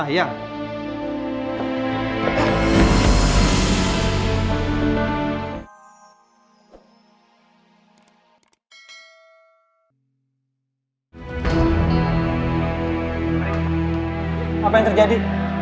apa yang terjadi